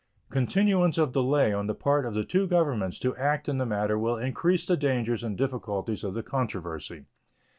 Continuance of delay on the part of the two Governments to act in the matter will increase the dangers and difficulties of the controversy.